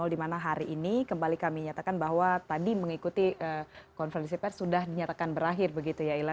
di mana hari ini kembali kami nyatakan bahwa tadi mengikuti konferensi pers sudah dinyatakan berakhir begitu ya ila